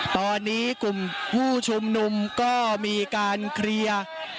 ตอนนี้กลุ่มผู้ชุมนุมก็มีการเคลียร์